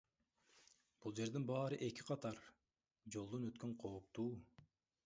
Бул жердин баары эки катар, жолдон өткөн кооптуу.